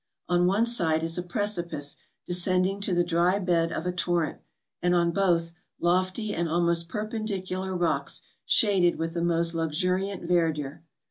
On one side is a precipice descending to the dry bed of a torrent, and on both, lofty and almost perpendicular rocks shaded with the most luxuriant verdure.